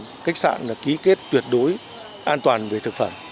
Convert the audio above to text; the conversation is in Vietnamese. các khách sạn ký kết tuyệt đối an toàn về thực phẩm